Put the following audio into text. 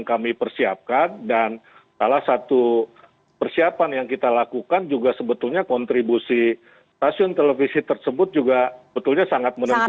kami persiapkan dan salah satu persiapan yang kita lakukan juga sebetulnya kontribusi stasiun televisi tersebut juga betulnya sangat menentukan